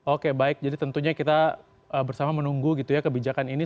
oke baik jadi tentunya kita bersama menunggu kebijakan ini